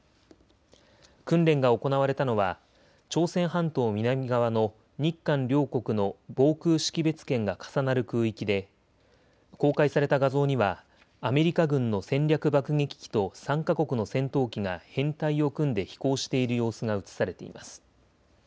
訓練が行われたのは朝鮮半島南側の日韓両国の防空識別圏が重なる空域で公開された画像にはアメリカ軍の戦略爆撃機と３か国の戦闘機が編隊を組んで飛行している様子が写されています。